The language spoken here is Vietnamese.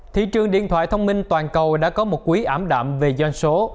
thị trường điện thoại thông minh toàn cầu đã có một quý ảm đạm về doanh số